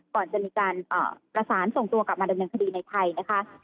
ก่อนจะมีการประสานส่งตัวกลับมาดำเนินคดีในไทยนะคะ